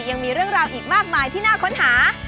ยังมีเรื่องราวอีกมากมายที่น่าค้นหา